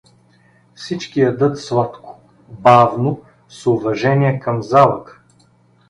Всички ядат сладко, бавно, с уважение към залъка.